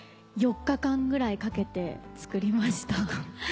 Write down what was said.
４日間ぐらいかけて作りました。